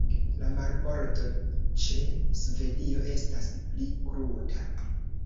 La marbordo ĉe Svedio estas pli kruta.